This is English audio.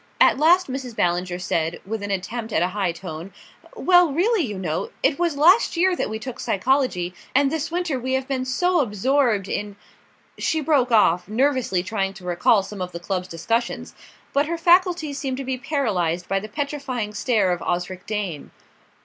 At last Mrs. Ballinger said, with an attempt at a high tone: "Well, really, you know, it was last year that we took psychology, and this winter we have been so absorbed in " She broke off, nervously trying to recall some of the club's discussions; but her faculties seemed to be paralysed by the petrifying stare of Osric Dane.